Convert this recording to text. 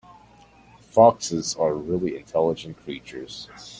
Foxes are really intelligent creatures.